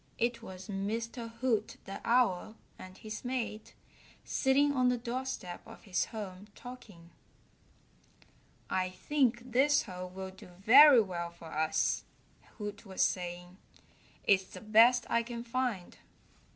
It was Mr. Hoot the Owl and his mate sitting on the doorstep of his home talking. "I think this hole will do very well for us," Hoot was saying. "It's the best I can find."